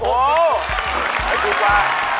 โอ้วไอ้กูกว่า